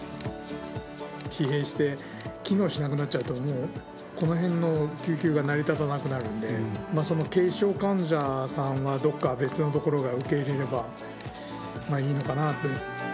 疲弊して機能しなくなっちゃうと、もうこの辺の救急が成り立たなくなるので、その軽症患者さんはどっか別のところが受け入れればいいのかなと。